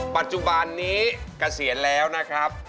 ปัจจุบันนี้เกษียณแล้วนะครับ